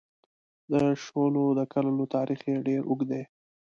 د شولو د کرلو تاریخ یې ډېر اوږد دی.